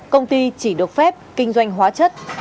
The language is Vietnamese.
công ty chỉ được phép kinh doanh hóa chất